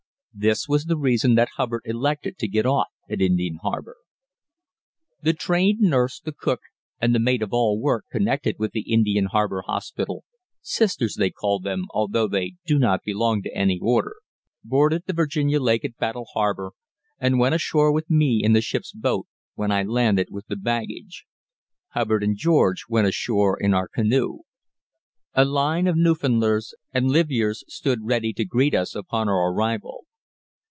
This was the reason that Hubbard elected to get off at Indian Harbour. The trained nurse, the cook, and the maid of all work connected with the Indian Harbour hospital ("sisters," they call them, although they do not belong to any order) boarded the Virginia Lake at Battle Harbour and went ashore with me in the ship's boat, when I landed with the baggage. Hubbard and George went ashore in our canoe. A line of Newfoundlanders and "livyeres" stood ready to greet us upon our arrival.